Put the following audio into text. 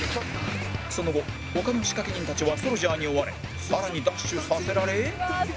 その後他の仕掛人たちはソルジャーに追われ更にダッシュさせられ